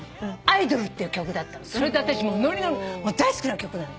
それで私ノリノリ大好きな曲なの。